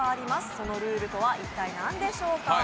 そのルールとは一体何でしょうか？